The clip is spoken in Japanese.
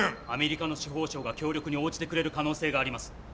アメリカの司法省が協力に応じてくれる可能性があります。